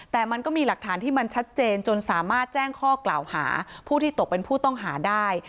แต่มันก็มีหลักฐานที่มันชัดเจนจนสามารถแจ้งข้อกล่าวหาผู้ที่ตกเป็นผู้ต้องหาได้